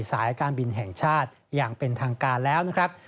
สายการบินแห่งชาติอย่างเป็นทางการแล้วนะครับ